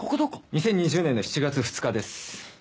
２０２０年の７月２日です。